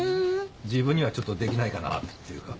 自分にはちょっとできないかなっていうか。